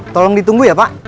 tolong ditunggu ya pak